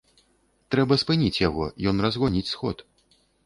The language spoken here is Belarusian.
Трэба спыніць яго, ён разгоніць сход.